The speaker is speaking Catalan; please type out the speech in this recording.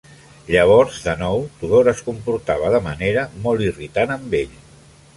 Llavors, de nou, Tudor es comportava de manera molt irritant amb ell.